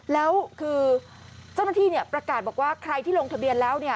แล้วคือเจ้าหน้าที่ประกาศบอกว่าใครที่ลงทะเบียนแล้ว